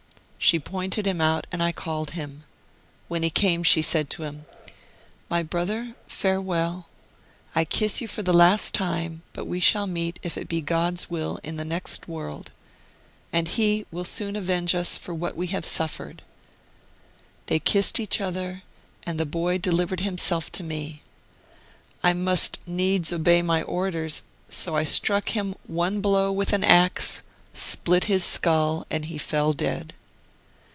She pointed him out and I called him. When he came, she said to him, ' My brother, fare wrll. I kiss you for the last time, but we shall meet, if it be God's will, in the next world, and He will soon avenge us for what we have suffered.' They kissed each other, and the boy delivered himself to me. I must needs obey my orders, so I struck him one blow with an axe, split his skull, and he fell dead.